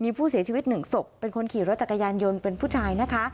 มีผู้เสียชีวิต๑ศพเป็นคนขี่รถจักรยานโยนเป็นผู้ชาย